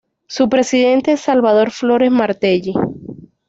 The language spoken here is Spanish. Su presidente es Salvador Flores Martelli.